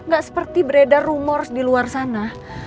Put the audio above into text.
gak seperti beredar rumor di luar sana